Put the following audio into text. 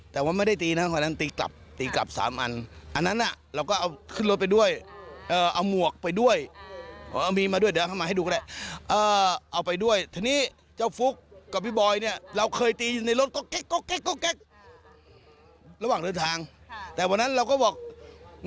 แต่ว่าไม่ได้ตีนะเพราะฉะนั้นตีกลับตีกลับสามอัน